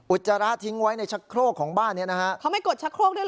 จราะทิ้งไว้ในชักโครกของบ้านเนี้ยนะฮะเขาไม่กดชักโครกด้วยนะ